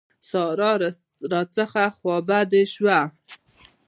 سارا راڅخه خوابدې شوه.